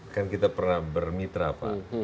kan kita pernah bermitra pak